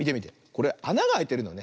これあながあいてるのね。